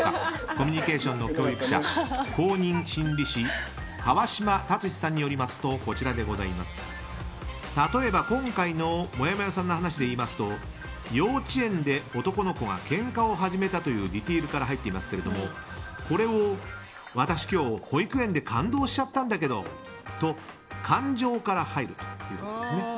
コミュニケーションの教育者公認心理師の川島達史さんによると例えば今回のもやもやさんの話で言いますと幼稚園で男の子がけんかを始めたというディティールから入っていますがこれを私、今日、保育園で感動しちゃったんだけどと感情から入るということです。